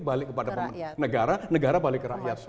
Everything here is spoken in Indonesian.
balik kepada negara negara balik ke rakyat